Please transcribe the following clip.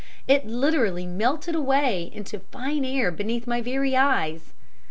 It literally melted away into fine air beneath my very eyes.